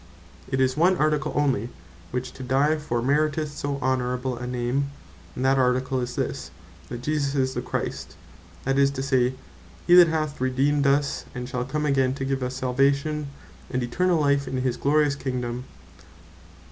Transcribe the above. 'Tis one Article onely, which to die for, meriteth so honorable a name; and that Article is this, that Jesus Is The Christ; that is to say, He that hath redeemed us, and shall come again to give us salvation, and eternall life in his glorious Kingdome.